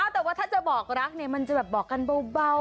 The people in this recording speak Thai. แต่ว่าถ้าจะบอกรักเนี่ยมันจะแบบบอกกันเบา